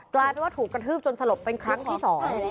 กลายเป็นว่าถูกกระทืบจนสลบเป็นครั้งที่สอง